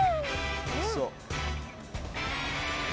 「おいしそう」